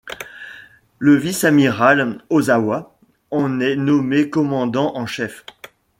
Le vice-amiral Ozawa en est nommé Commandant-en-Chef.